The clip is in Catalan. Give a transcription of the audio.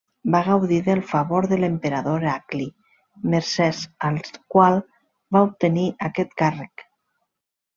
Va gaudir del favor de l'emperador Heracli mercès al qual va obtenir aquest càrrec.